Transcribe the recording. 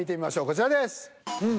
こちらです。